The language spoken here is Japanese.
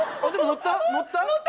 乗った？